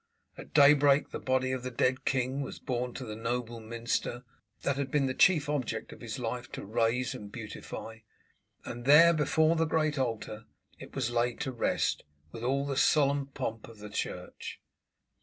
At daybreak the body of the dead king was borne to the noble minster, that had been the chief object of his life to raise and beautify, and there before the great altar it was laid to rest with all the solemn pomp of the church.